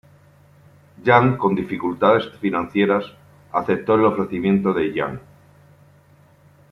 Yan, con dificultades financieras, aceptó el ofrecimiento de Jiang.